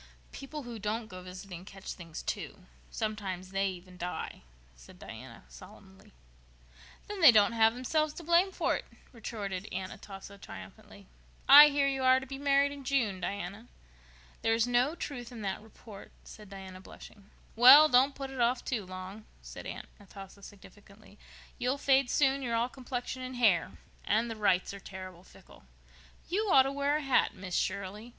"People who don't go visiting catch things, too. Sometimes they even die," said Diana solemnly. "Then they don't have themselves to blame for it," retorted Aunt Atossa triumphantly. "I hear you are to be married in June, Diana." "There is no truth in that report," said Diana, blushing. "Well, don't put it off too long," said Aunt Atossa significantly. "You'll fade soon—you're all complexion and hair. And the Wrights are terrible fickle. You ought to wear a hat, Miss Shirley.